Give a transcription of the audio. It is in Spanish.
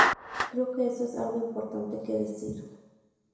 Creo que eso es algo importante que decir.